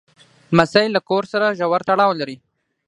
لمسی له کور سره ژور تړاو لري.